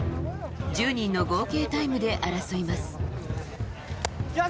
１０人の合計タイムで争います。